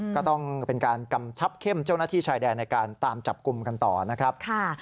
ก็ต้องเป็นการกำชับเข้มเจ้าหน้าที่ชายแดนในการตามจับกลุ่มกันต่อนะครับ